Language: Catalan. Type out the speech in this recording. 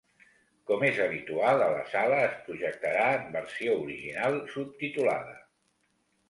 Com es habitual a la sala es projectarà en versió original subtitulada.